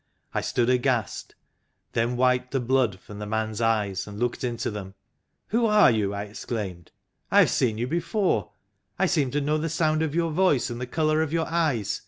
I stood aghast; then wiped the blood from the man's eyes and looked into them. "Who are you?" I exclaimed. "I have seen you before; I seem to know the sound of your voice and the colour of your eyes.